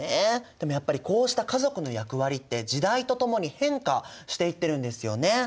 でもやっぱりこうした家族の役割って時代とともに変化していってるんですよね。